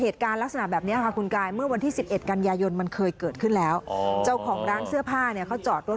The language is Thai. ตรงนี้ประมาณ๕๐๐เมตรเท่านั้นเอง